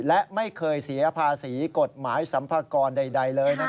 และไม่เคยเสียภาษีกฎหมายสัมภากรใดเลย